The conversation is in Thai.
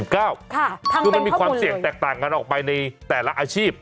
คือมันมีความเสี่ยงแตกต่างกันออกไปในแต่ละอาชีพ